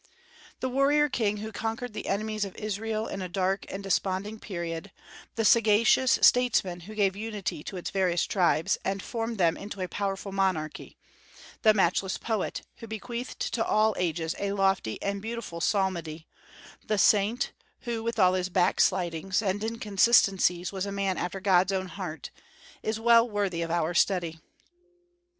The warrior king who conquered the enemies of Israel in a dark and desponding period; the sagacious statesman who gave unity to its various tribes, and formed them into a powerful monarchy; the matchless poet who bequeathed to all ages a lofty and beautiful psalmody; the saint, who with all his backslidings and inconsistencies was a man after God's own heart, is well worthy of our study.